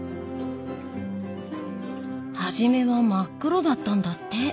初めは真っ黒だったんだって。